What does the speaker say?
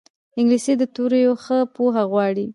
انګلیسي د توریو ښه پوهه غواړي